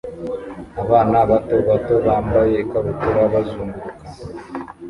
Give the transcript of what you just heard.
Abana bato bato bambaye ikabutura bazunguruka